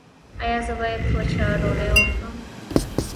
ایا زه باید وچه ډوډۍ وخورم؟